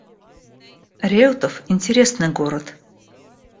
Реутов — интересный город